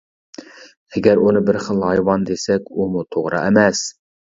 ئەگەر ئۇنى بىر خىل ھايۋان دېسەك ئۇمۇ توغرا ئەمەس.